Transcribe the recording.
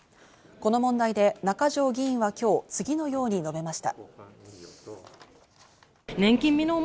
この問題で中条議員は今日、次のように述べました。